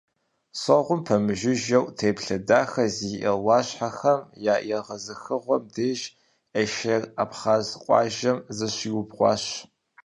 Согъум пэмыжыжьэу, теплъэ дахэ зиӀэ Ӏуащхьэхэм я егъэзыхыгъуэм деж, Эшер абхъаз къуажэм зыщиубгъуащ.